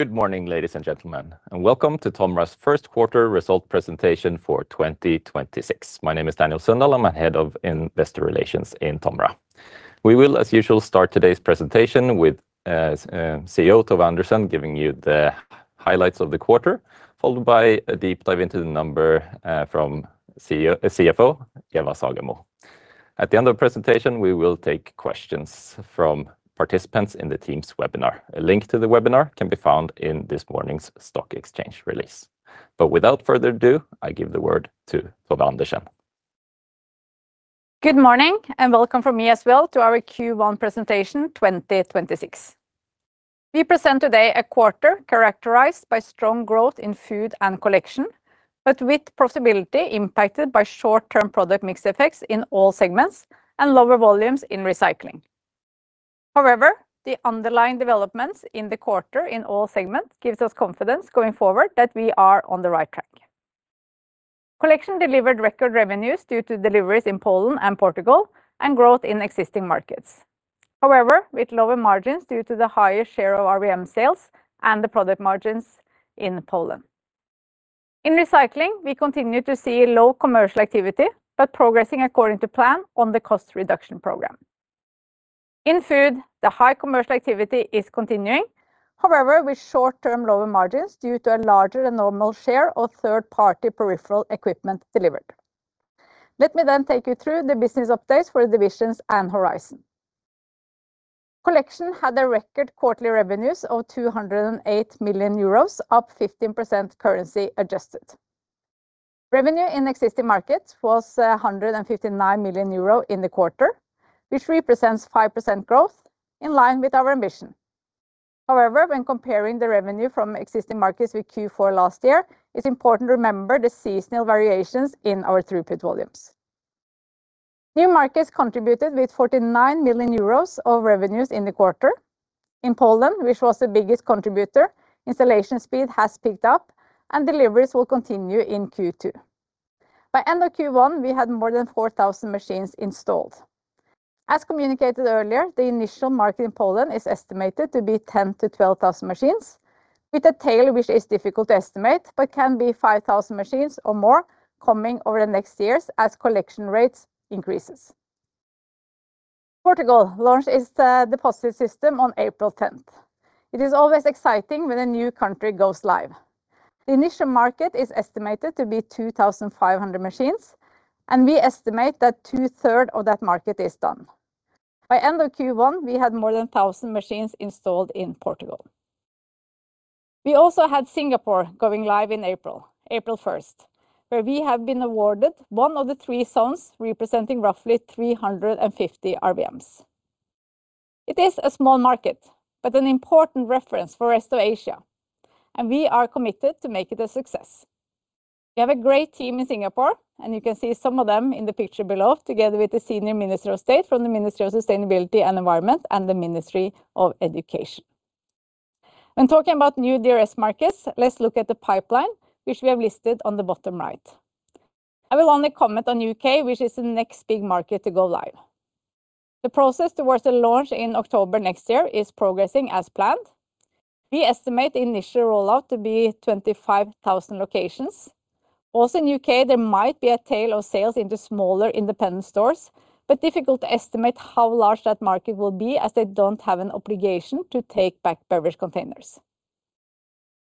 Good morning, ladies and gentlemen, and welcome to TOMRA's first quarter result presentation for 2026. My name is Daniel Sundahl. I'm Head of Investor Relations in TOMRA. We will, as usual, start today's presentation with CEO Tove Andersen giving you the highlights of the quarter, followed by a deep dive into the numbers from CFO Eva Sagemo. At the end of presentation, we will take questions from participants in the Teams webinar. A link to the webinar can be found in this morning's stock exchange release. Without further ado, I give the word to Tove Andersen. Good morning and welcome from me as well to our Q1 2026 presentation. We present today a quarter characterized by strong growth in Food and Collection, but with profitability impacted by short-term product mix effects in all segments and lower volumes in Recycling. However, the underlying developments in the quarter in all segments gives us confidence going forward that we are on the right track. Collection delivered record revenues due to deliveries in Poland and Portugal and growth in existing markets. However, with lower margins due to the higher share of RVM sales and the product margins in Poland. In Recycling, we continue to see low commercial activity, but progressing according to plan on the cost reduction program. In Food, the high commercial activity is continuing, however, with short-term lower margins due to a larger-than-normal share of third-party peripheral equipment delivered. Let me take you through the business updates for the divisions and horizon. Collection had a record quarterly revenues of 208 million euros, up 15% currency adjusted. Revenue in existing markets was 159 million euro in the quarter, which represents 5% growth in line with our ambition. However, when comparing the revenue from existing markets with Q4 last year, it's important to remember the seasonal variations in our throughput volumes. New markets contributed with 49 million euros of revenues in the quarter. In Poland, which was the biggest contributor, installation speed has picked up, and deliveries will continue in Q2. By end of Q1, we had more than 4,000 machines installed. As communicated earlier, the initial market in Poland is estimated to be 10,000-12,000 machines, with a tail which is difficult to estimate but can be 5,000 machines or more coming over the next years as Collection rates increase. Portugal launched its deposit system on April 10th. It is always exciting when a new country goes live. The initial market is estimated to be 2,500 machines, and we estimate that two-thirds of that market is done. By end of Q1, we had more than 1,000 machines installed in Portugal. We also had Singapore going live in April 1st, where we have been awarded one of the three zones representing roughly 350 RVMs. It is a small market, but an important reference for rest of Asia, and we are committed to make it a success. We have a great team in Singapore, and you can see some of them in the picture below, together with the Senior Minister of State from the Ministry of Sustainability and the Environment and the Ministry of Education. When talking about new DRS markets, let's look at the pipeline, which we have listed on the bottom right. I will only comment on U.K., which is the next big market to go live. The process towards the launch in October next year is progressing as planned. We estimate the initial rollout to be 25,000 locations. Also in U.K., there might be a tail of sales into smaller independent stores, but difficult to estimate how large that market will be as they don't have an obligation to take back beverage containers.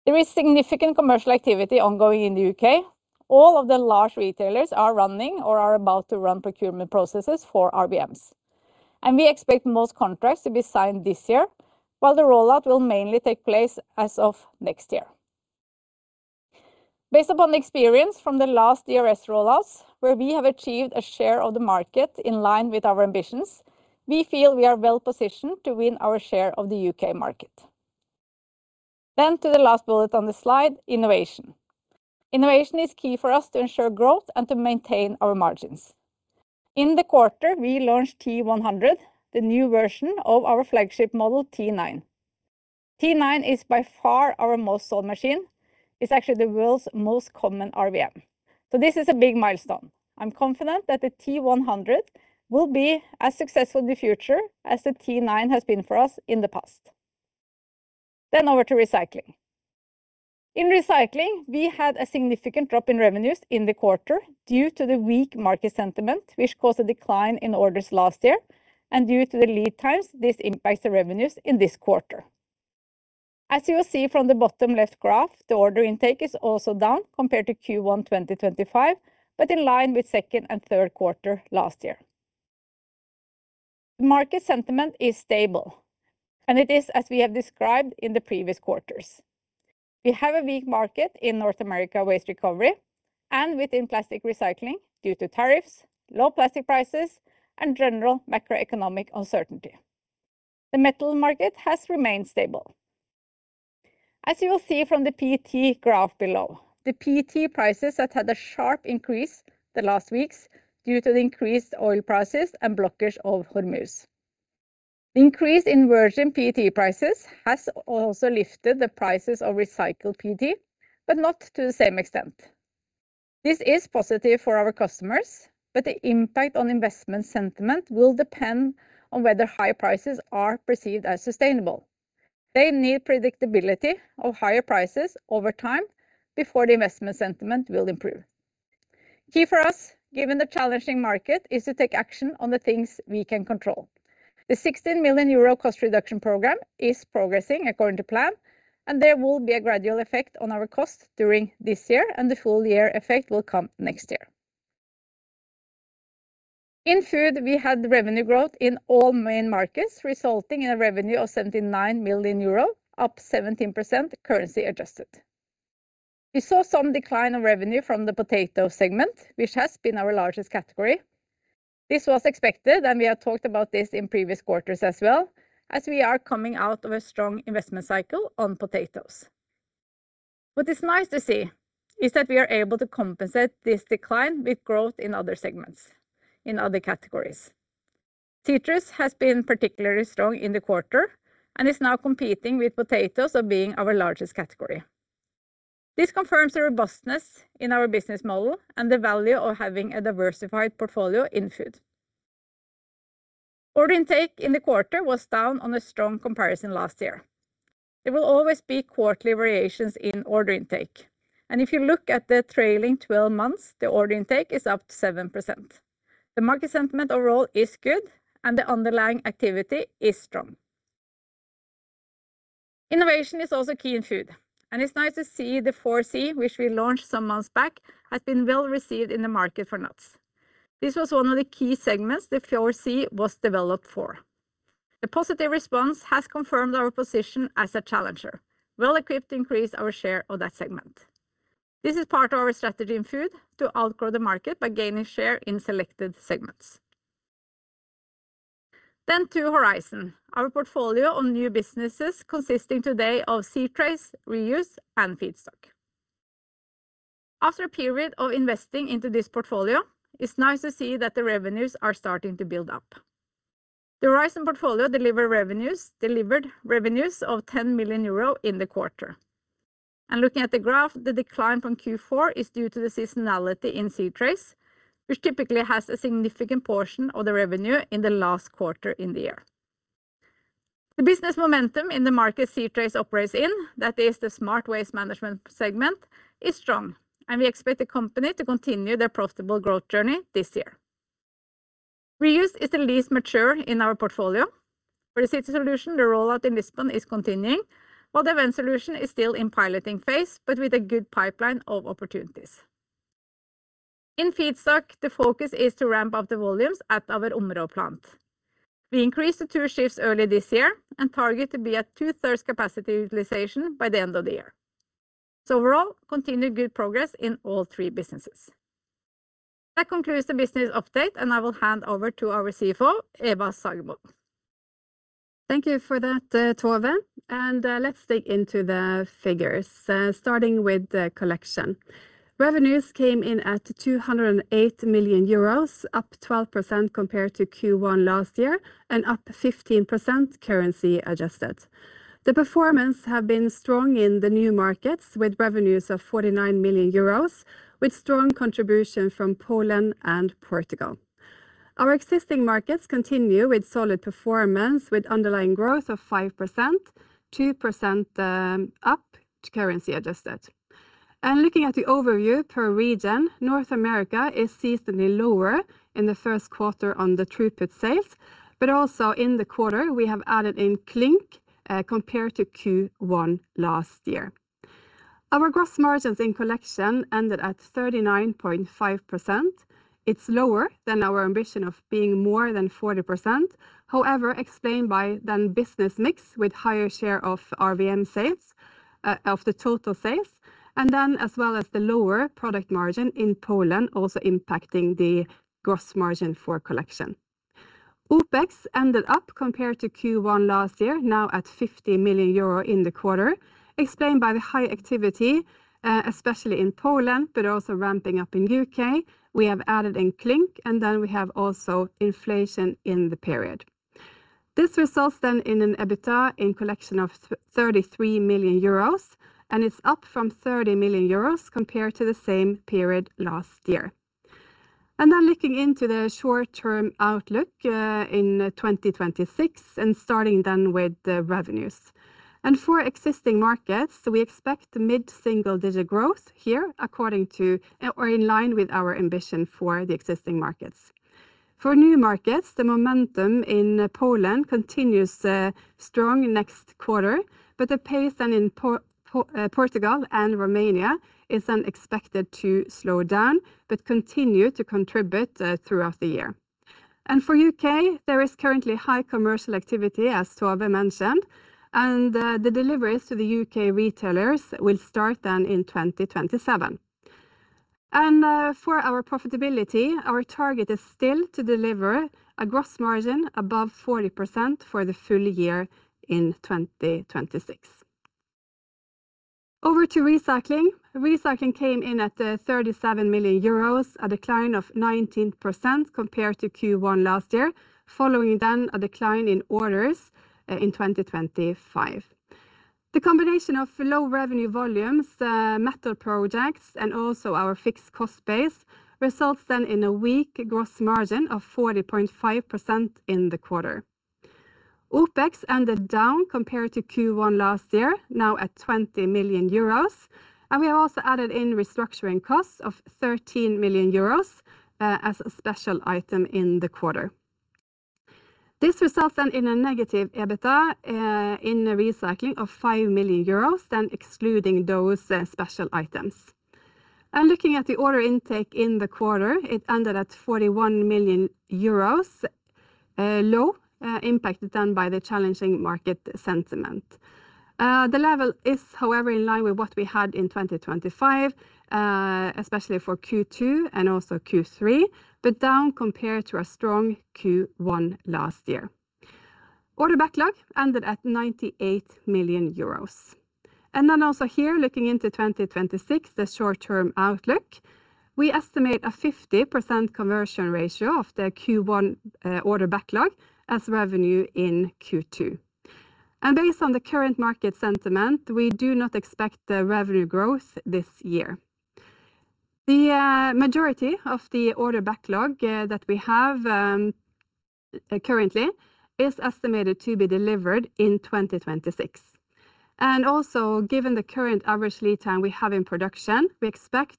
There is significant commercial activity ongoing in the U.K. All of the large retailers are running or are about to run procurement processes for RVMs. We expect most contracts to be signed this year, while the rollout will mainly take place as of next year. Based upon the experience from the last DRS rollouts, where we have achieved a share of the market in line with our ambitions, we feel we are well-positioned to win our share of the U.K. market. To the last bullet on the slide, innovation. Innovation is key for us to ensure growth and to maintain our margins. In the quarter, we launched T100, the new version of our flagship model, T9. T9 is by far our most sold machine, it's actually the world's most common RVM. This is a big milestone. I'm confident that the T100 will be as successful in the future as the T9 has been for us in the past. Over to Recycling. In Recycling, we had a significant drop in revenues in the quarter due to the weak market sentiment, which caused a decline in orders last year. Due to the lead times, this impacts the revenues in this quarter. As you will see from the bottom left graph, the order intake is also down compared to Q1 2025, but in line with second and third quarter last year. The market sentiment is stable, and it is as we have described in the previous quarters. We have a weak market in North America waste recovery and within plastic recycling due to tariffs, low plastic prices, and general macroeconomic uncertainty. The metal market has remained stable. As you will see from the PET graph below, the PET prices that had a sharp increase the last weeks due to the increased oil prices and blockage of Hormuz. The increase in virgin PET prices has also lifted the prices of recycled PET, but not to the same extent. This is positive for our customers, but the impact on investment sentiment will depend on whether high prices are perceived as sustainable. They need predictability of higher prices over time before the investment sentiment will improve. Key for us, given the challenging market, is to take action on the things we can control. The 16 million euro cost reduction program is progressing according to plan, and there will be a gradual effect on our costs during this year, and the full year effect will come next year. In Food, we had revenue growth in all main markets, resulting in a revenue of 79 million euro, up 17% currency adjusted. We saw some decline of revenue from the potato segment, which has been our largest category. This was expected, and we have talked about this in previous quarters as well, as we are coming out of a strong investment cycle on potatoes. What is nice to see is that we are able to compensate this decline with growth in other segments, in other categories. Citrus has been particularly strong in the quarter and is now competing with potatoes on being our largest category. This confirms the robustness in our business model and the value of having a diversified portfolio in Food. Order intake in the quarter was down on a strong comparison last year. There will always be quarterly variations in order intake, and if you look at the trailing 12 months, the order intake is up 7%. The market sentiment overall is good and the underlying activity is strong. Innovation is also key in Food, and it's nice to see the 4C, which we launched some months back, has been well received in the market for nuts. This was one of the key segments the 4C was developed for. The positive response has confirmed our position as a challenger, well-equipped to increase our share of that segment. This is part of our strategy in Food to outgrow the market by gaining share in selected segments. To Horizon, our portfolio of new businesses, consisting today of c-trace, Reuse and Feedstock. After a period of investing into this portfolio, it's nice to see that the revenues are starting to build up. The TOMRA Horizon portfolio delivered revenues of 10 million euro in the quarter. Looking at the graph, the decline from Q4 is due to the seasonality in c-trace, which typically has a significant portion of the revenue in the last quarter in the year. The business momentum in the market c-trace operates in, that is the smart waste management segment, is strong, and we expect the company to continue their profitable growth journey this year. TOMRA Reuse is the least mature in our portfolio. For City Solution, the rollout in Lisbon is continuing, while the TOMRA Event Solution is still in piloting phase, but with a good pipeline of opportunities. In Feedstock, the focus is to ramp up the volumes at our Områ plant. We increased the two shifts early this year and target to be at two-thirds capacity utilization by the end of the year. Overall, continued good progress in all three businesses. That concludes the business update, and I will hand over to our CFO, Eva Sagemo. Thank you for that, Tove, and let's dig into the figures, starting with Collection. Revenues came in at 208 million euros, up 12% compared to Q1 last year, and up 15% currency adjusted. The performance has been strong in the new markets, with revenues of 49 million euros, with strong contribution from Poland and Portugal. Our existing markets continue with solid performance, with underlying growth of 5%, 2% up currency adjusted. Looking at the overview per region, North America is seasonally lower in the first quarter on the throughput sales, but also in the quarter, we have added in CLYNK compared to Q1 last year. Our gross margins in Collection ended at 39.5%. It's lower than our ambition of being more than 40%, however, explained by the business mix with higher share of RVM sales, of the total sales, and then as well as the lower product margin in Poland also impacting the gross margin for Collection. OpEx ended up compared to Q1 last year, now at 50 million euro in the quarter, explained by the high activity, especially in Poland, but also ramping up in the U.K. We have added CLYNK, and then we have also inflation in the period. This results then in an EBITDA in Collection of 33 million euros, and it's up from 30 million euros compared to the same period last year. Looking into the short-term outlook in 2026 and starting then with the revenues. For existing markets, we expect mid-single-digit growth here according to or in line with our ambition for the existing markets. For new markets, the momentum in Poland continues strong next quarter, but the pace then in Portugal and Romania is then expected to slow down but continue to contribute throughout the year. For U.K., there is currently high commercial activity, as Tove mentioned, and the deliveries to the U.K. retailers will start then in 2027. For our profitability, our target is still to deliver a gross margin above 40% for the full year in 2026. Over to Recycling. Recycling came in at 37 million euros, a decline of 19% compared to Q1 last year, following then a decline in orders in 2025. The combination of low revenue volumes, metal projects, and also our fixed cost base results then in a weak gross margin of 40.5% in the quarter. OpEx ended down compared to Q1 last year, now at 20 million euros. We have also added in restructuring costs of 13 million euros as a special item in the quarter. This results then in a negative EBITDA in the Recycling of -5 million euros, excluding those special items. Looking at the order intake in the quarter, it ended at 41 million euros, low, impacted by the challenging market sentiment. The level is, however, in line with what we had in 2025, especially for Q2 and also Q3, but down compared to our strong Q1 last year. Order backlog ended at 98 million euros. Also here looking into 2026, the short-term outlook, we estimate a 50% conversion ratio of the Q1 order backlog as revenue in Q2. Based on the current market sentiment, we do not expect the revenue growth this year. The majority of the order backlog that we have currently is estimated to be delivered in 2026. Given the current average lead time we have in production, we expect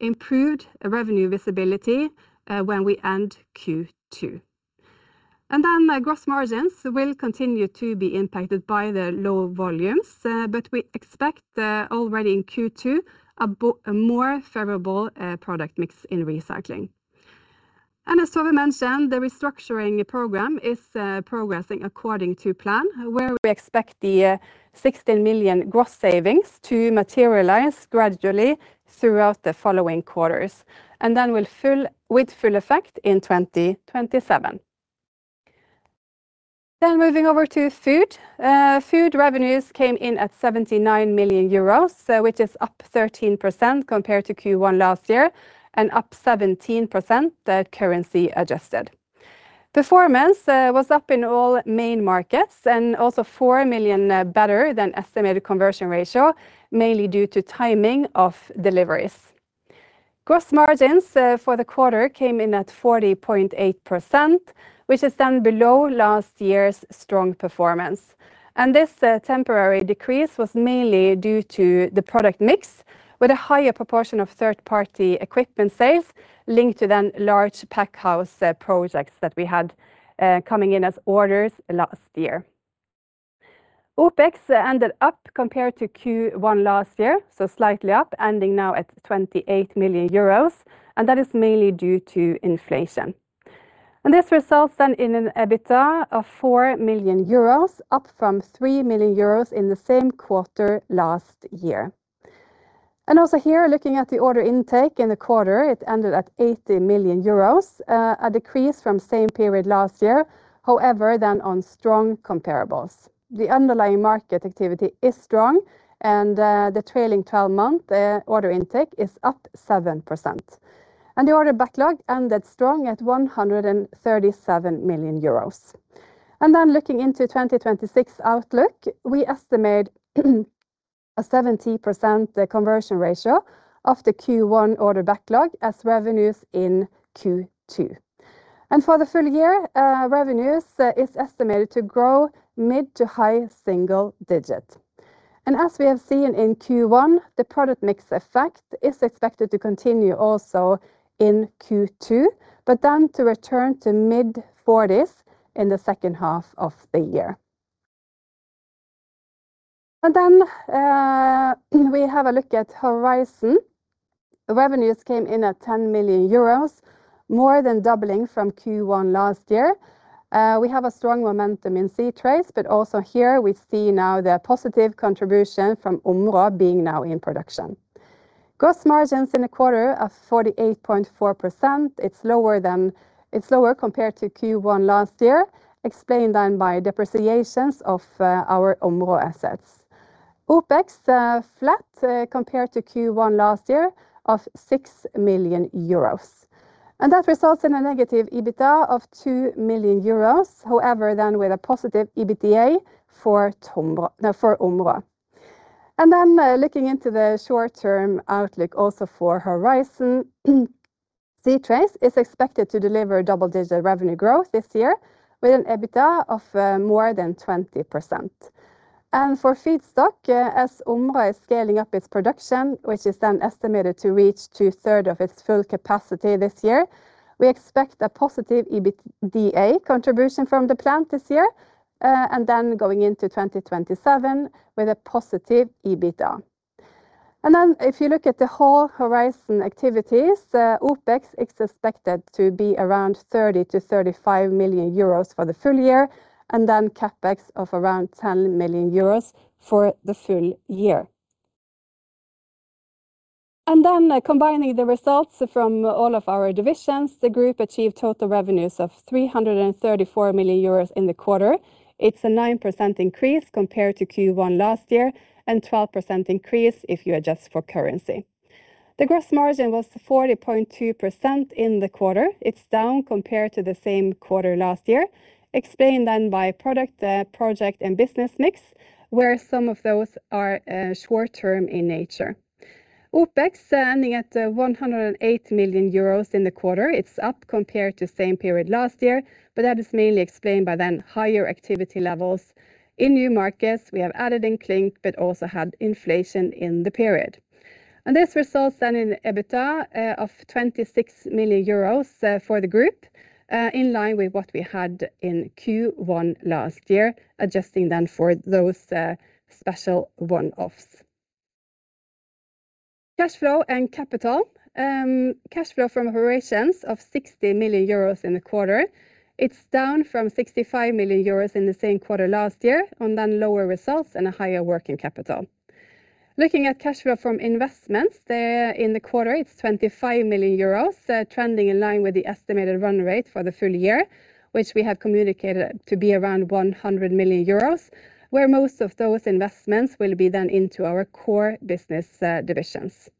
improved revenue visibility when we end Q2. Gross margins will continue to be impacted by the low volumes. We expect already in Q2, a more favorable product mix in Recycling. As Tove mentioned, the restructuring program is progressing according to plan, where we expect the 16 million gross savings to materialize gradually throughout the following quarters with full effect in 2027. Moving over to Food. Food revenues came in at 79 million euros, which is up 13% compared to Q1 last year and up 17% currency adjusted. Performance was up in all main markets and also 4 million better than estimated conversion ratio, mainly due to timing of deliveries. Gross margins for the quarter came in at 40.8%, which is down below last year's strong performance. This temporary decrease was mainly due to the product mix, with a higher proportion of third-party equipment sales linked to the large pack house projects that we had coming in as orders last year. OpEx ended up compared to Q1 last year, so slightly up, ending now at 28 million euros, and that is mainly due to inflation. This results then in an EBITDA of 4 million euros, up from 3 million euros in the same quarter last year. Also, here looking at the order intake in the quarter, it ended at 80 million euros, a decrease from same period last year, however, this on strong comparables. The underlying market activity is strong, and the trailing 12-month order intake is up 7%. The order backlog ended strongly at 137 million euros. Looking into 2026 outlook, we estimate a 70% conversion ratio of the Q1 order backlog to revenues in Q2. For the full year, revenues is estimated to grow mid- to high single-digit. As we have seen in Q1, the product mix effect is expected to continue also in Q2, but then to return to mid-40s in the second half of the year. We have a look at Horizon. Revenues came in at 10 million euros, more than doubling from Q1 last year. We have a strong momentum in c-trace, but also here we see now the positive contribution from Områ being now in production. Gross margins in the quarter are 48.4%. It's lower compared to Q1 last year, explained then by depreciations of our Områ assets. OpEx, flat compared to Q1 last year of 6 million euros. That results in a negative EBITDA of 2 million euros, however, then with a positive EBITDA for Områ. Then, looking into the short-term outlook also for Horizon, c-trace is expected to deliver double-digit revenue growth this year with an EBITDA of more than 20%. For Feedstock, as Områ is scaling up its production, which is then estimated to reach two-thirds of its full capacity this year, we expect a positive EBITDA contribution from the plant this year. Then going into 2027 with a positive EBITDA. If you look at the whole Horizon activities, OpEx is expected to be around 30 million-35 million euros for the full year, and then CapEx of around 10 million euros for the full year. Combining the results from all of our divisions, the group achieved total revenues of 334 million euros in the quarter. It's a 9% increase compared to Q1 last year, and 12% increase if you adjust for currency. The gross margin was 40.2% in the quarter. It's down compared to the same quarter last year, explained then by product, project, and business mix, where some of those are short-term in nature. OpEx ending at 108 million euros in the quarter. It's up compared to same period last year, but that is mainly explained by then higher activity levels in new markets we have added in CLYNK, but also had inflation in the period. This results then in EBITDA of 26 million euros for the group, in line with what we had in Q1 last year, adjusting then for those special one-offs. Cash flow and capital. Cash flow from operations of 60 million euros in the quarter. It's down from 65 million euros in the same quarter last year, on then lower results and a higher working capital. Looking at cash flow from investments in the quarter, it's 25 million euros, trending in line with the estimated run rate for the full year, which we have communicated to be around 100 million euros, where most of those investments will be then into our core business divisions.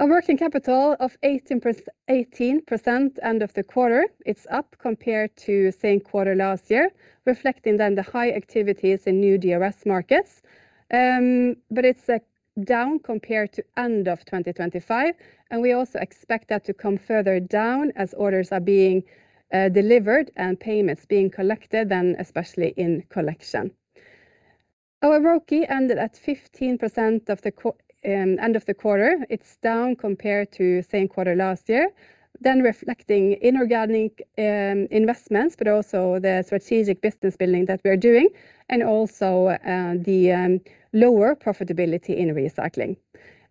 A working capital of 18% end of the quarter. It's up compared to same quarter last year, reflecting then the high activities in new DRS markets. It's down compared to end of 2025, and we also expect that to come further down as orders are being delivered and payments being collected then, especially in Collection. Our ROCE ended at 15% end of the quarter. It's down compared to same quarter last year reflecting inorganic investments, but also the strategic business building that we're doing, and also the lower profitability in Recycling.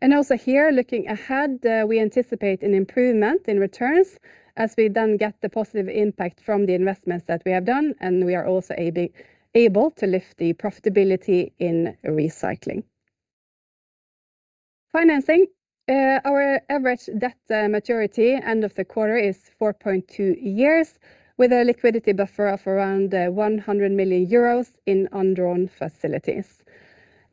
Also here, looking ahead, we anticipate an improvement in returns as we then get the positive impact from the investments that we have done and we are also able to lift the profitability in Recycling. Financing. Our average debt maturity end of the quarter is 4.2 years, with a liquidity buffer of around 100 million euros in undrawn facilities.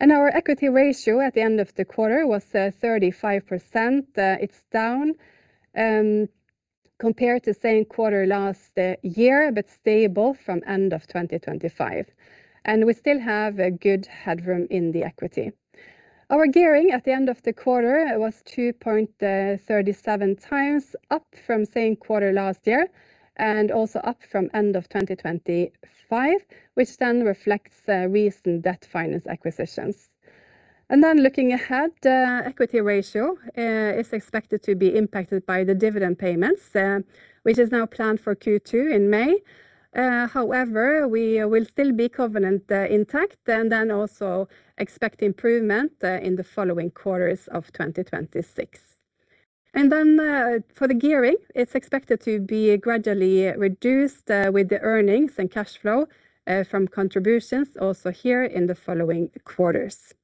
Our equity ratio at the end of the quarter was 35%. It's down compared to same quarter last year, but stable from end of 2025. We still have a good headroom in the equity. Our gearing at the end of the quarter was 2.37x, up from same quarter last year, and also up from end of 2025, which reflects recent debt-financed acquisitions. Looking ahead, equity ratio is expected to be impacted by the dividend payments, which is now planned for Q2 in May. However, we will still be covenants intact and also expect improvement in the following quarters of 2026. For the gearing, it's expected to be gradually reduced with the earnings and cash flow from operations, also in the following quarters.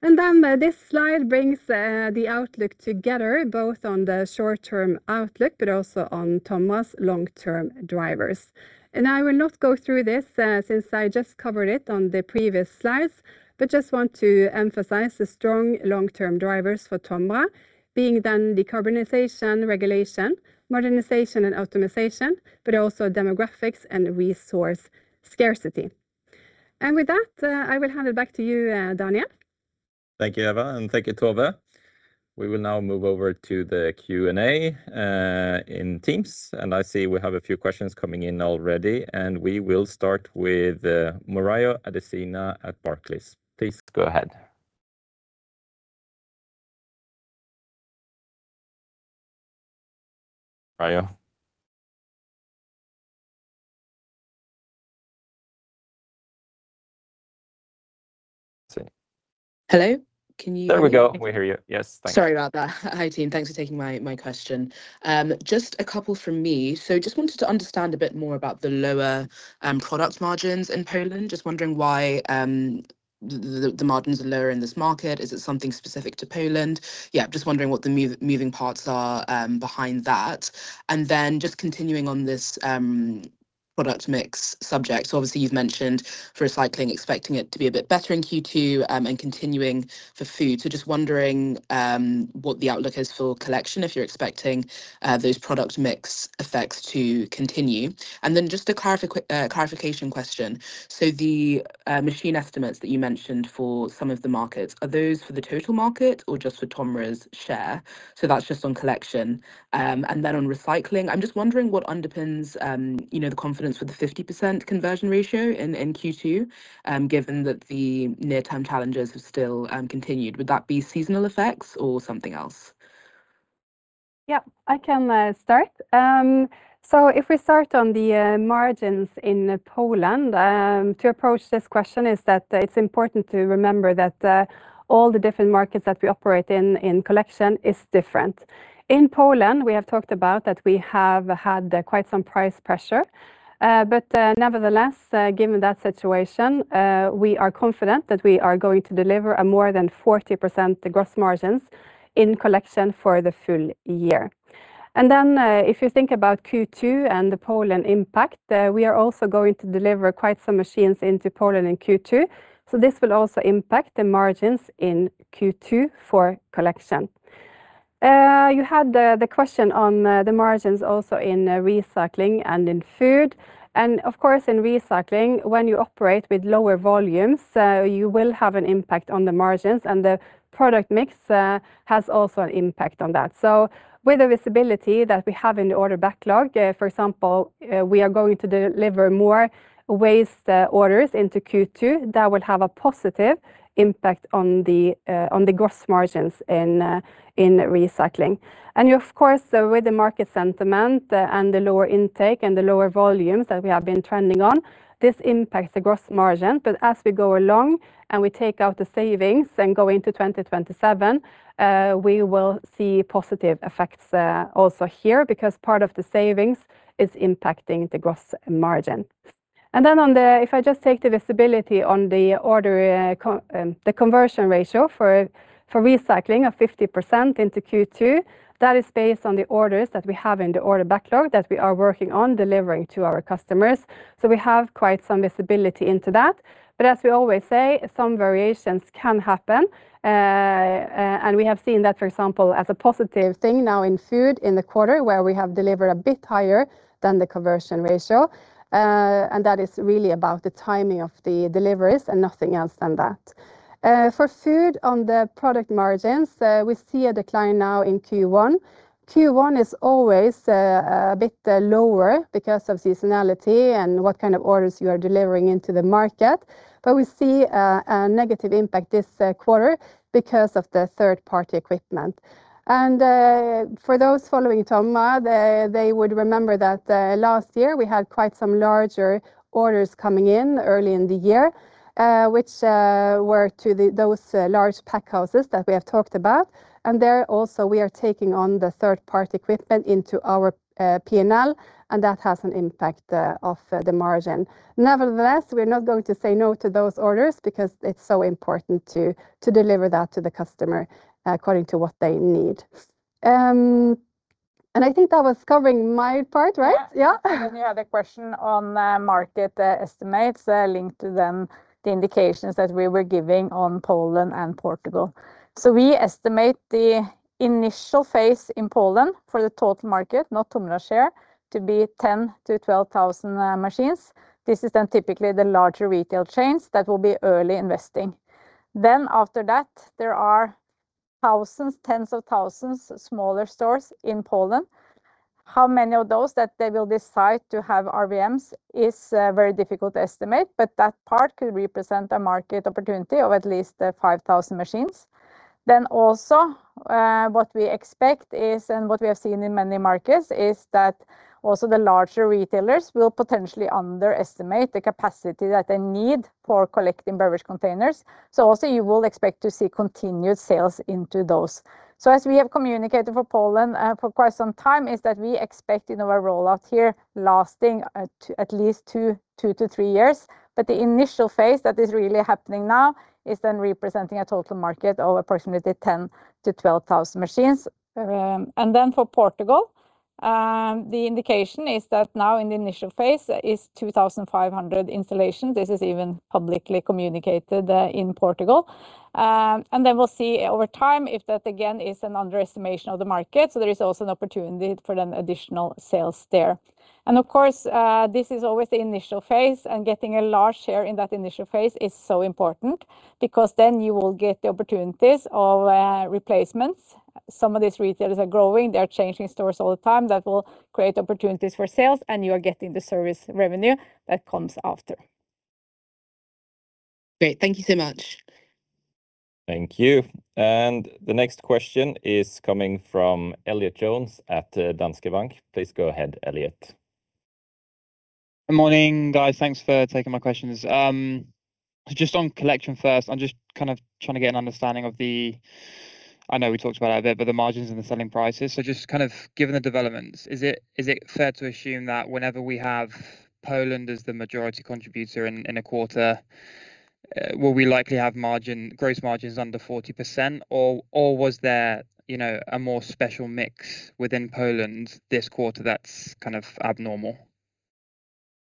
This slide brings the outlook together, both on the short-term outlook but also on TOMRA's long-term drivers. I will not go through this since I just covered it on the previous slides, but just want to emphasize the strong long-term drivers for TOMRA being then decarbonization, regulation, modernization and automization, but also demographics and resource scarcity. With that, I will hand it back to you, Daniel. Thank you, Eva, and thank you, Tove. We will now move over to the Q&A in Teams, and I see we have a few questions coming in already, and we will start with Morayo Adesina at Barclays. Please go ahead. Morayo? Hello. Can you hear me okay? There we go. We hear you. Yes. Thank you. Sorry about that. Hi, team. Thanks for taking my question. Just a couple from me. Just wanted to understand a bit more about the lower products margins in Poland. Just wondering why the margins are lower in this market. Is it something specific to Poland? Yeah, just wondering what the moving parts are behind that. Then, just continuing on this product mix subject. Obviously, you've mentioned for Recycling, expecting it to be a bit better in Q2, and continuing for Food. Just wondering what the outlook is for Collection, if you're expecting those product mix effects to continue. Then, just a clarification question. The market estimates that you mentioned for some of the markets, are those for the total market or just for TOMRA's share? That's just on Collection. On Recycling, I'm just wondering what underpins the confidence with the 50% conversion ratio in Q2, given that the near-term challenges have still continued. Would that be seasonal effects or something else? Yeah, I can start. If we start on the margins in Poland, to approach this question, is that it's important to remember that all the different markets that we operate in Collection is different. In Poland, we have talked about that we have had quite some price pressure. Nevertheless, given that situation, we are confident that we are going to deliver a more than 40% gross margins in Collection for the full year. If you think about Q2 and the Poland impact, we are also going to deliver quite some machines into Poland in Q2. This will also impact the margins in Q2 for Collection. You had the question on the margins also in Recycling and in Food. Of course, in Recycling, when you operate with lower volumes, you will have an impact on the margins, and the product mix has also an impact on that. With the visibility that we have in the order backlog, for example, we are going to deliver more waste orders into Q2 that will have a positive impact on the gross margins in Recycling. Of course, with the market sentiment and the lower intake and the lower volumes that we have been trending on, this impacts the gross margin. As we go along and we take out the savings and go into 2027, we will see positive effects, also here, because part of the savings is impacting the gross margin. If I just take the visibility on the conversion ratio for Recycling of 50% into Q2, that is based on the orders that we have in the order backlog that we are working on delivering to our customers. We have quite some visibility into that. As we always say, some variations can happen. We have seen that, for example, as a positive thing, now in Food in the quarter where we have delivered a bit higher than the conversion ratio. That is really about the timing of the deliveries and nothing else than that. For Food on the product margins, we see a decline now in Q1. Q1 is always a bit lower because of seasonality and what kind of orders you are delivering into the market. We see a negative impact this quarter because of the third-party equipment. For those following TOMRA, they would remember that last year we had quite some larger orders coming in early in the year, which were to those large pack houses that we have talked about. There also we are taking on the third-party equipment into our P&L, and that has an impact on the margin. Nevertheless, we're not going to say no to those orders because it's so important to deliver that to the customer according to what they need. I think that was covering my part, right? Yeah. You had a question on the market estimates linked to then the indications that we were giving on Poland and Portugal. We estimate the initial phase in Poland for the total market, not TOMRA's share, to be 10,000-12,000 machines. This is then typically the larger retail chains that will be early investing. After that, there are thousands, tens of thousands, smaller stores in Poland. How many of those that they will decide to have RVMs is very difficult to estimate, but that part could represent a market opportunity of at least 5,000 machines. Also, what we expect is, and what we have seen in many markets, is that also the larger retailers will potentially underestimate the capacity that they need for collecting beverage containers. Also, you will expect to see continued sales into those. As we have communicated for Poland for quite some time, is that we expect our rollout here lasting at least 2-3 years. The initial phase that is really happening now is then representing a total market of approximately 10,000-12,000 machines. For Portugal, the indication is that now in the initial phase is 2,500 installations. This is even publicly communicated in Portugal. We'll see over time if that again is an underestimation of the market. There is also an opportunity for then additional sales there. Of course, this is always the initial phase, and getting a large share in that initial phase is so important because then you will get the opportunities of replacements. Some of these retailers are growing, they're changing stores all the time. That will create opportunities for sales, and you are getting the service revenue that comes after. Great. Thank you so much. Thank you. The next question is coming from Elliott Jones at Danske Bank. Please go ahead, Elliott. Good morning, guys. Thanks for taking my questions. Just on Collection first, I'm just trying to get an understanding of the, I know we talked about it a bit, but the margins and the selling prices. Just kind of given the developments, is it fair to assume that whenever we have Poland as the majority contributor in a quarter, will we likely have gross margins under 40%, or was there a more special mix within Poland this quarter that's kind of abnormal?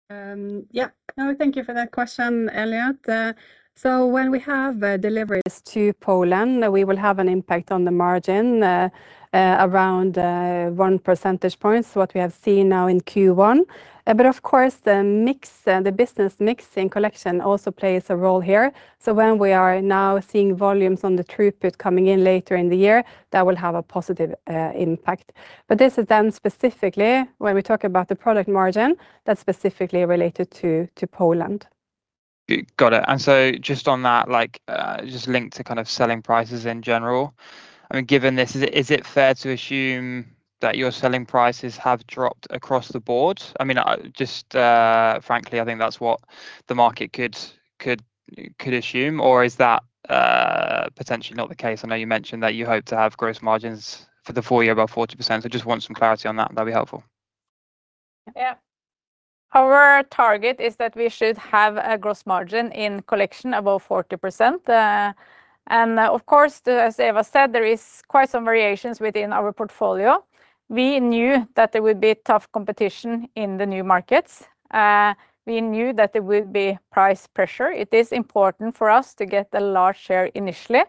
Yeah. No, thank you for that question, Elliott. When we have deliveries to Poland, we will have an impact on the margin, around one percentage point, what we have seen now in Q1. Of course, the business mix in Collection also plays a role here. When we are now seeing volumes on the throughput coming in later in the year, that will have a positive impact. This is then specifically when we talk about the product margin that's specifically related to Poland. Got it. Just on that, just linked to selling prices in general, given this, is it fair to assume that your selling prices have dropped across the board? Just frankly, I think that's what the market could assume, or is that potentially not the case? I know you mentioned that you hope to have gross margins for the full year above 40%, so just want some clarity on that. That'd be helpful. Yeah. Our target is that we should have a gross margin in Collection above 40%. Of course, as Eva said, there is quite some variations within our portfolio. We knew that there would be tough competition in the new markets. We knew that there would be price pressure. It is important for us to get a large share initially,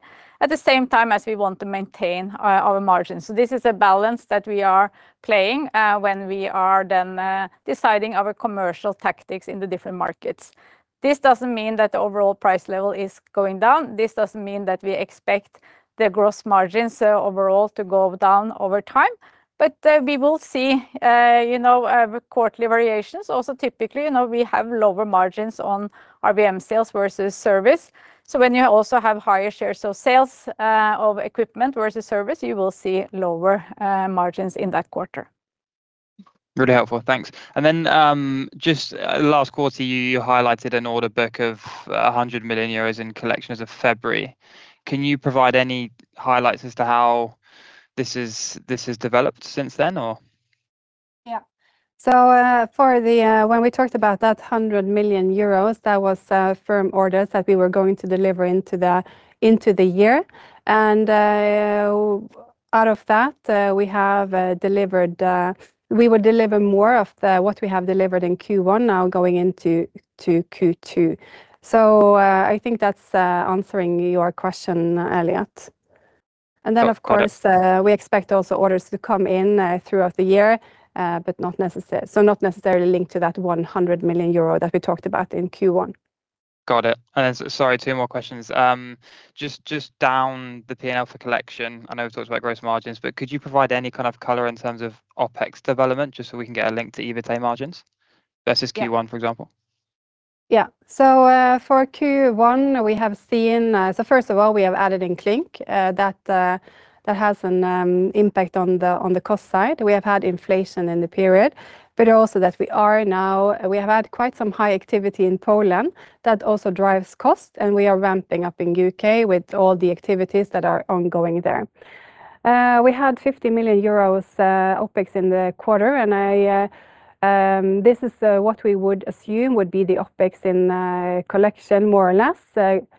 at the same time as we want to maintain our margins. This is a balance that we are playing when we are then deciding our commercial tactics in the different markets. This doesn't mean that the overall price level is going down. This doesn't mean that we expect the gross margins overall to go down over time. We will see our quarterly variations. Also, typically, we have lower margins on RVM sales versus service. When you also have higher shares of sales of equipment versus service, you will see lower margins in that quarter. Really helpful. Thanks. Just last quarter, you highlighted an order book of 100 million euros in Collection as of February. Can you provide any highlights as to how this has developed since then, or? Yeah. When we talked about that 100 million euros, that was firm orders that we were going to deliver into the year. Out of that, we will deliver more of what we have delivered in Q1, now going into Q2. I think that's answering your question, Elliott. Of course, we expect also orders to come in throughout the year, so not necessarily linked to that 100 million euro that we talked about in Q1. Got it. Sorry, two more questions. Just down the P&L for Collection. I know we talked about gross margins, but could you provide any kind of color in terms of OpEx development, just so we can get a link to EBITDA margins versus Q1, for example? For Q1, first of all, we have added in CLYNK, that has an impact on the cost side. We have had inflation in the period, but also that we have had quite some high activity in Poland that also drives cost, and we are ramping up in U.K. with all the activities that are ongoing there. We had 50 million euros OpEx in the quarter, and this is what we would assume would be the OpEx in Collection, more or less,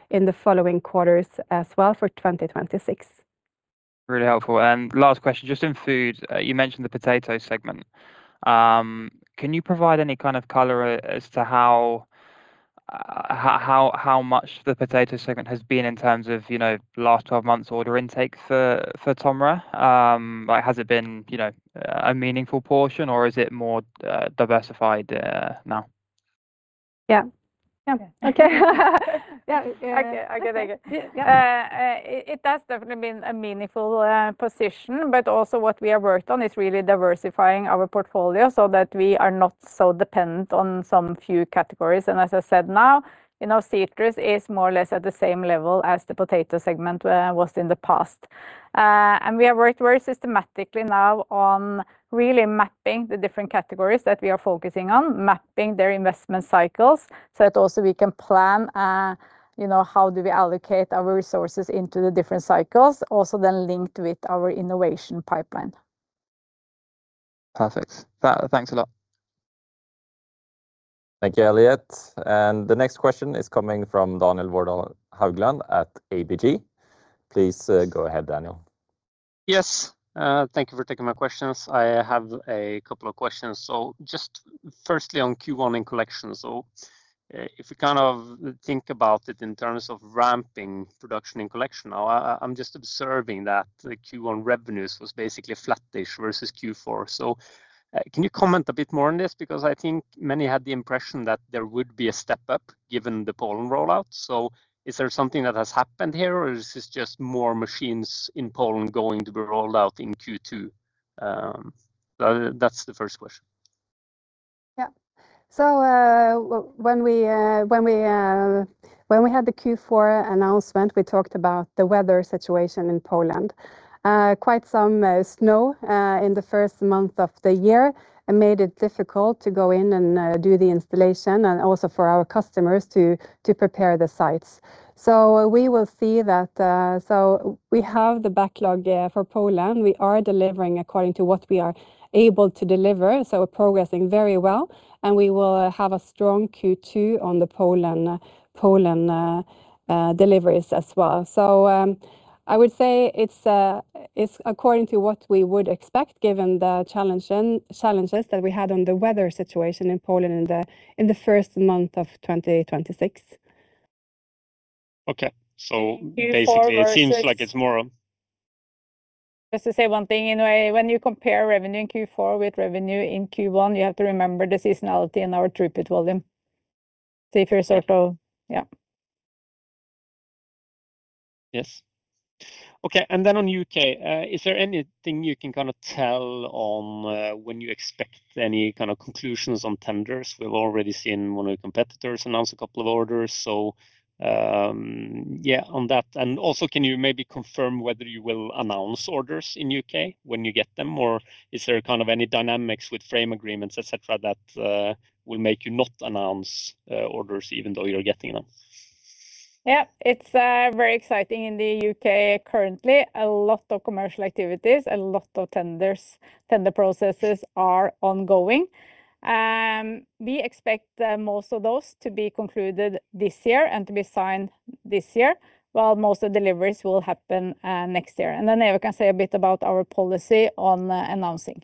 in the following quarters as well for 2026. Really helpful. Last question, just in Food, you mentioned the potato segment. Can you provide any kind of color as to how much the potato segment has been in terms of last 12 months' order intake for TOMRA? Has it been a meaningful portion or is it more diversified now? Yeah. Okay. Okay, very good. It has definitely been a meaningful position, but also what we have worked on is really diversifying our portfolio so that we are not so dependent on some few categories. As I said now, citrus is more or less at the same level as the potato segment was in the past. We have worked very systematically now on really mapping the different categories that we are focusing on, mapping their investment cycles, so that also we can plan, how do we allocate our resources into the different cycles, also then linked with our innovation pipeline. Perfect. Thanks a lot. Thank you, Elliott. The next question is coming from Daniel Vårdal Haugland at ABG. Please go ahead, Daniel. Yes. Thank you for taking my questions. I have a couple of questions. Just firstly, on Q1 in Collection. If we think about it in terms of ramping production in Collection now, I'm just observing that the Q1 revenues was basically flatish versus Q4. Can you comment a bit more on this? Because I think many had the impression that there would be a step up, given the Poland rollout. Is there something that has happened here, or is this just more machines in Poland going to be rolled out in Q2? That's the first question. When we had the Q4 announcement, we talked about the weather situation in Poland. Quite some snow in the first month of the year, and it made it difficult to go in and do the installation, and also for our customers to prepare the sites. We have the backlog for Poland. We are delivering according to what we are able to deliver. We're progressing very well, and we will have a strong Q2 on the Poland deliveries as well. I would say it's according to what we would expect, given the challenges that we had on the weather situation in Poland in the first month of 2026. Okay. Basically, it seems like it's more. Just to say one thing, when you compare revenue in Q4 with revenue in Q1, you have to remember the seasonality in our throughput volume. Yes. Okay, on U.K., is there anything you can tell on when you expect any kind of conclusions on tenders? We've already seen one of the competitors announce a couple of orders. Yeah, on that. Also, can you maybe confirm whether you will announce orders in U.K. when you get them, or is there any dynamics with framework agreements, et cetera, that will make you not announce orders even though you're getting them? Yeah. It's very exciting in the U.K. currently, a lot of commercial activities, a lot of tender processes are ongoing. We expect most of those to be concluded this year and to be signed this year, while most of deliveries will happen next year. Then Eva can say a bit about our policy on announcing.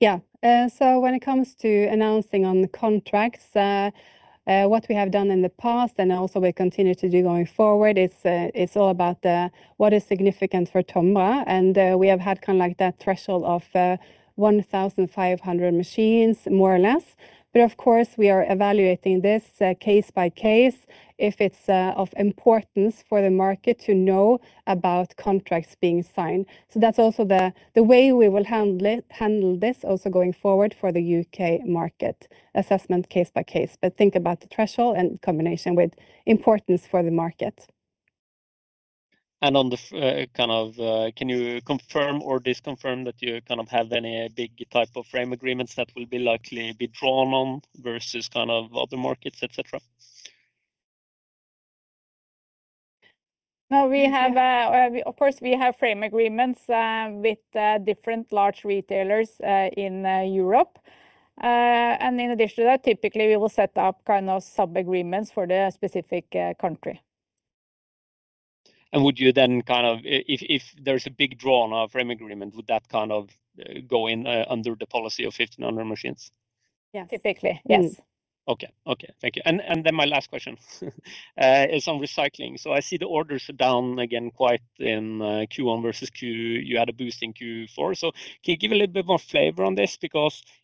Yeah. When it comes to announcing on contracts, what we have done in the past and also we continue to do going forward, it's all about what is significant for TOMRA, and we have had that threshold of 1,500 machines, more or less. Of course, we are evaluating this case-by-case if it's of importance for the market to know about contracts being signed. That's also the way we will handle this also going forward for the U.K. market, assessment case by case. Think about the threshold and combination with importance for the market. Can you confirm or disconfirm that you have any big type of framework agreements that will likely be drawn on versus other markets, et cetera? Of course, we have frame agreements with different large retailers in Europe. In addition to that, typically, we will set up sub-agreements for the specific country. If there's a big draw on a frame agreement, would that go in under the policy of 1,500 machines? Yes. Typically, yes. Okay. Thank you. My last question is on Recycling. I see the orders are down again quite in Q1 versus Q2. You had a boost in Q4. Can you give a little bit more flavor on this?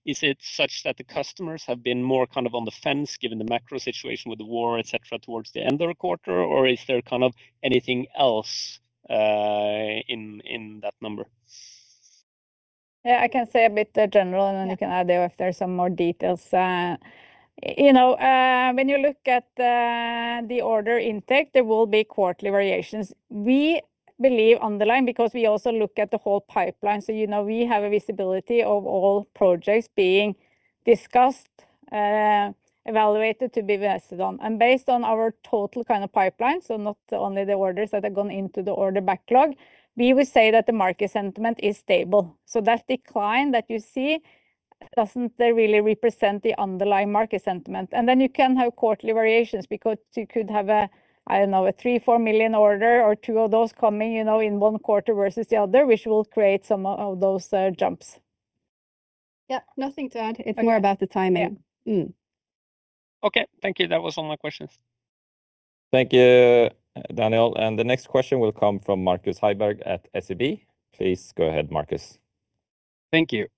Is it such that the customers have been more on the fence, given the macro situation with the war, et cetera, towards the end of the quarter, or is there anything else in that number? Yeah, I can say a bit general, and then you can add there if there's some more details. When you look at the order intake, there will be quarterly variations. We believe underlying because we also look at the whole pipeline. We have a visibility of all projects being discussed, evaluated to be invested on, and based on our total pipeline. Not only the orders that have gone into the order backlog, we would say that the market sentiment is stable. That decline that you see doesn't really represent the underlying market sentiment. Then you can have quarterly variations because you could have a, I don't know, a 3 million-4 million order or two of those coming in one quarter versus the other, which will create some of those jumps. Yeah. Nothing to add. It's more about the timing. Yeah. Okay. Thank you. That was all my questions. Thank you, Daniel. The next question will come from Markus Heiberg at SEB. Please go ahead, Markus. Thank you.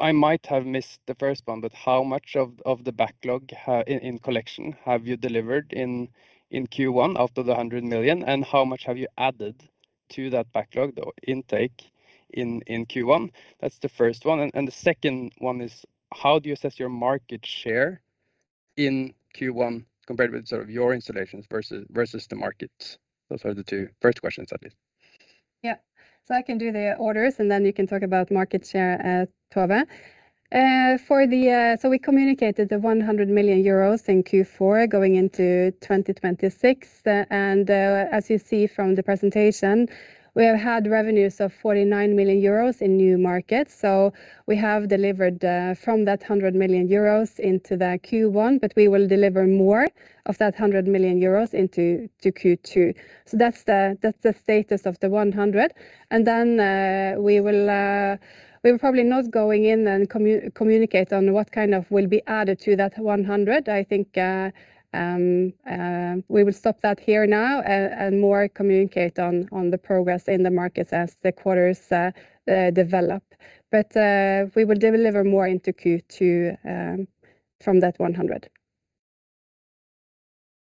I might have missed the first one, but how much of the backlog in Collection have you delivered in Q1 out of the 100 million? And how much have you added to that backlog, the intake in Q1? That's the first one. And the second one is how do you assess your market share in Q1 compared with sort of your installations versus the market? Those are the two first questions, at least. Yeah. I can do the orders, and then you can talk about market share, Tove. We communicated the 100 million euros in Q4 going into 2026. As you see from the presentation, we have had revenues of 49 million euros in new markets. We have delivered from that 100 million euros into the Q1, but we will deliver more of that 100 million euros into Q2. That's the status of the 100. We will probably not going in and communicate on what will be added to that 100. I think we will stop that here now and more communicate on the progress in the markets as the quarters develop. We will deliver more into Q2 from that 100.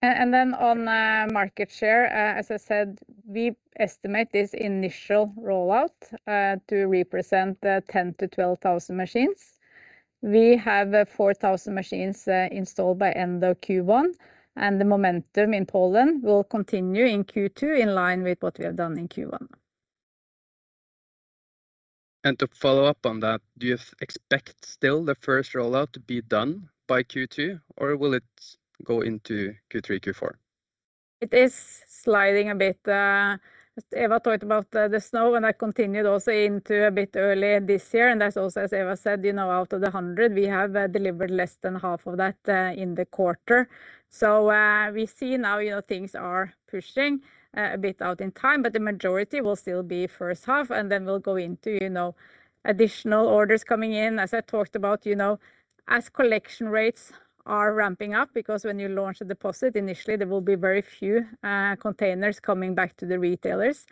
On market share, as I said, we estimate this initial rollout to represent 10-12,000 machines. We have 4,000 machines installed by end of Q1, and the momentum in Poland will continue in Q2 in line with what we have done in Q1. To follow up on that, do you expect still the first rollout to be done by Q2, or will it go into Q3, Q4? It is sliding a bit. Eva talked about the snow, and that continued also into a bit early this year, and that's also, as Eva said, out of the 100, we have delivered less than half of that in the quarter. We see now things are pushing a bit out in time, but the majority will still be first half, and then we'll go into additional orders coming in. As I talked about, as Collection rates are ramping up, because when you launch a deposit, initially, there will be very few containers coming back to the retailers.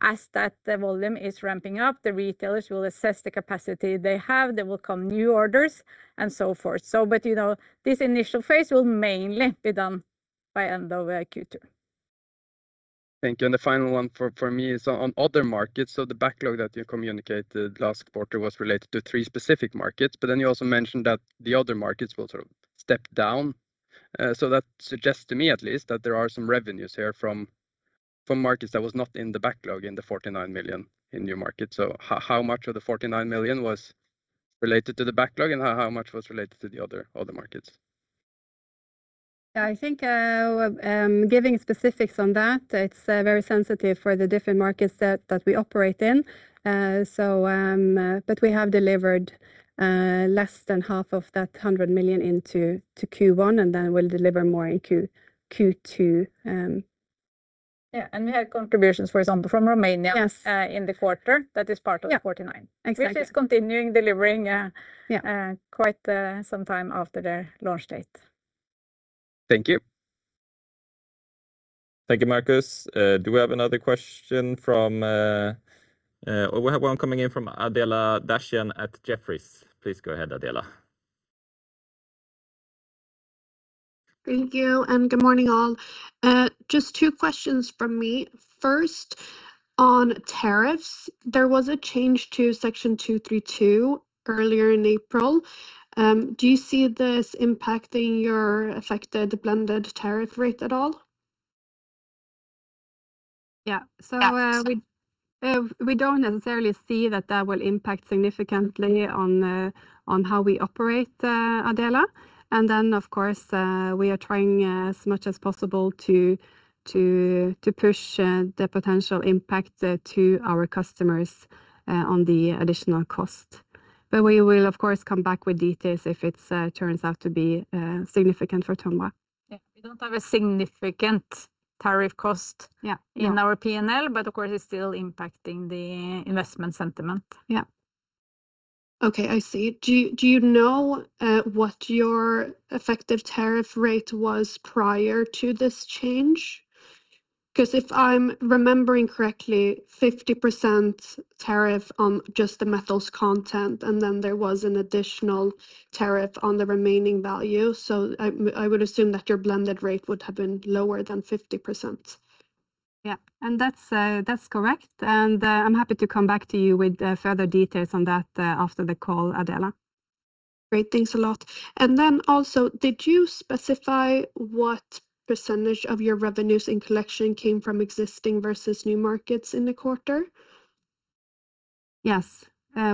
As that volume is ramping up, the retailers will assess the capacity they have. There will come new orders and so forth. This initial phase will mainly be done by end of Q2. Thank you. The final one for me is on other markets. The backlog that you communicated last quarter was related to three specific markets, but then you also mentioned that the other markets will sort of step down. That suggests to me at least that there are some revenues here from markets that was not in the backlog in the 49 million in your market. How much of the 49 million was related to the backlog, and how much was related to the other markets? I think giving specifics on that, it's very sensitive for the different markets that we operate in. We have delivered less than half of that 100 million into Q1, and then we'll deliver more in Q2. Yeah. We had contributions, for example, from Romania. Yes In the quarter that is part of Yeah The 49. Exactly. Which is continuing delivering. Yeah Quite some time after their launch date. Thank you. Thank you. Markus. We have one coming in from Adela Dashian at Jefferies. Please go ahead, Adela. Thank you, and good morning, all. Just two questions from me. First, on tariffs. There was a change to Section 232 earlier in April. Do you see this impacting your affected blended tariff rate at all? Yeah. We don't necessarily see that will impact significantly on how we operate, Adela. Of course, we are trying as much as possible to push the potential impact to our customers on the additional cost. We will, of course, come back with details if it turns out to be significant for TOMRA. Yeah. We don't have a significant tariff cost. Yeah In our P&L, but of course, it's still impacting the investment sentiment. Yeah. Okay, I see. Do you know what your effective tariff rate was prior to this change? Because if I'm remembering correctly, 50% tariff on just the metals content, and then there was an additional tariff on the remaining value. I would assume that your blended rate would have been lower than 50%. Yeah, that's correct. I'm happy to come back to you with further details on that after the call, Adela. Great. Thanks a lot. Also, did you specify what percentage of your revenues and Collection came from existing versus new markets in the quarter? Yes,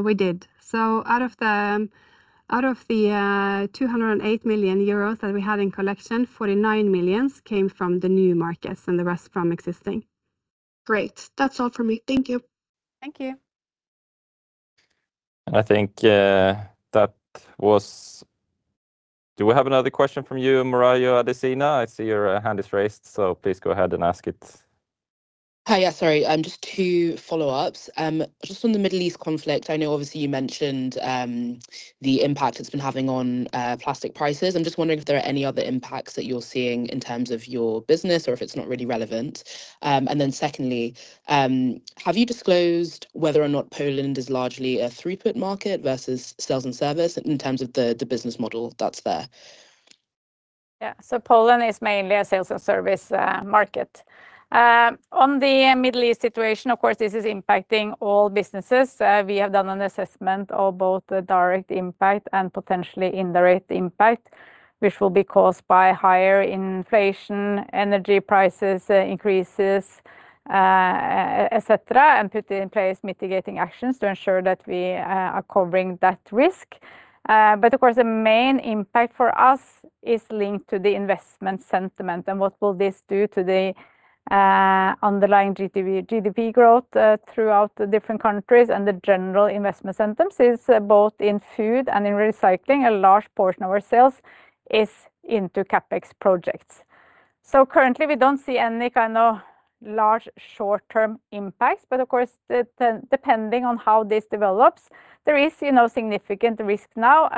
we did. Out of the 208 million euros that we had in Collection, 49 million came from the new markets and the rest from existing. Great. That's all from me. Thank you. Thank you. Do we have another question from you, Morayo Adesina? I see your hand is raised, so please go ahead and ask it. Hi. Yeah, sorry, just two follow-ups. Just on the Middle East conflict, I know obviously you mentioned the impact it's been having on plastic prices. I'm just wondering if there are any other impacts that you're seeing in terms of your business, or if it's not really relevant. Secondly, have you disclosed whether or not Poland is largely a throughput market versus sales and service in terms of the business model that's there? Yeah. Poland is mainly a sales and service market. On the Middle East situation, of course, this is impacting all businesses. We have done an assessment of both the direct impact and potentially indirect impact, which will be caused by higher inflation, energy prices increases, et cetera, and put in place mitigating actions to ensure that we are covering that risk. But of course, the main impact for us is linked to the investment sentiment and what will this do to the underlying GDP growth throughout the different countries and the general investment sentiment, since both in Food and in Recycling, a large portion of our sales is into CapEx projects. Currently, we don't see any kind of large short-term impacts, but of course, depending on how this develops, there is significant risk now.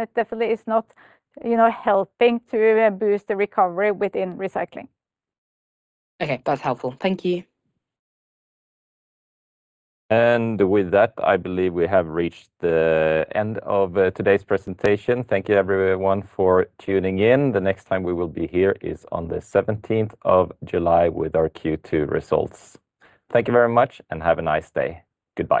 It definitely is not helping to boost the recovery within Recycling. Okay. That's helpful. Thank you. With that, I believe we have reached the end of today's presentation. Thank you, everyone for tuning in. The next time we will be here is on the 17th of July with our Q2 results. Thank you very much, and have a nice day. Goodbye.